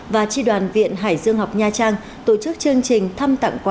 và tri đoàn viện hải dương học nha trang tổ chức chương trình thăm tặng quà